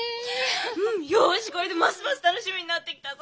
うんよしこれでますます楽しみになってきたぞ。